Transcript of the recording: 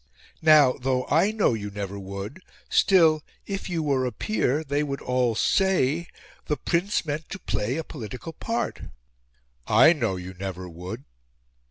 Now, though I know you never would, still, if you were a Peer, they would all say, the Prince meant to play a political part. I know you never would!"